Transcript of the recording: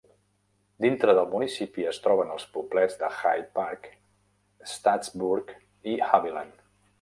Dintre del municipi es troben els poblets de Hyde Park, Staatsburg i Haviland.